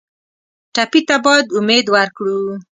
ټپي ته باید امید ورکړو.